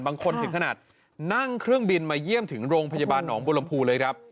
ถึงขนาดนั่งเครื่องบินมาเยี่ยมถึงโรงพยาบาลหนองบุรมภูเลยครับ